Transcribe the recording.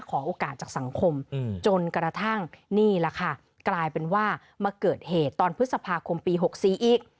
ขอโอกาสจากสังคมจนกระทั่งนี่แหละค่ะกลายเป็นว่ามาเกิดเหตุตอนพฤษภาคมปี๖๔อีก